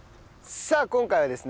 さあ今回はですね